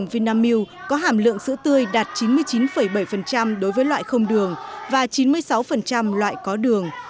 và chín mươi sáu loại có đường